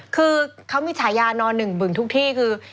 คือเขามีฉายานอนหนึ่งบึงทุกที่คือ